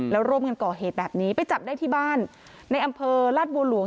แล้วร่วมกันก่อเหตุแบบนี้ไปจับได้ที่บ้านในอำเภอลาดบัวหลวง